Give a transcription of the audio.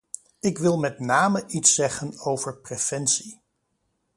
Ik wil met name iets zeggen over preventie.